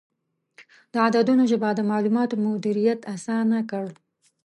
د عددونو ژبه د معلوماتو مدیریت اسانه کړ.